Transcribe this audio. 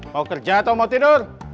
mau kerja atau mau tidur